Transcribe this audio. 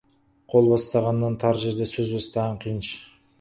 Қол бастағаннан тар жерде сөз бастаған қиын.